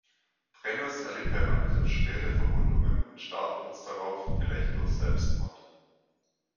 Brennus erlitt beim Angriff schwere Verwundungen und starb kurz darauf, vielleicht durch Selbstmord.